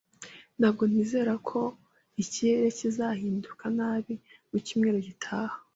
Ntabwo nizera ko ikirere kizahinduka nabi mu cyumweru gitaha.